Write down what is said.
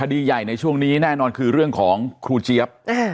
คดีใหญ่ในช่วงนี้แน่นอนคือเรื่องของครูเจี๊ยบ